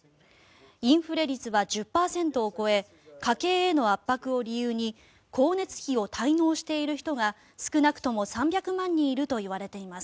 インフレ率は１０％を超え家計への圧迫を理由に光熱費を滞納している人が少なくとも３００万人いるといわれています。